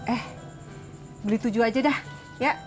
eh beli tujuh aja dah ya